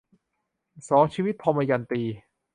สองชีวิต - ทมยันตี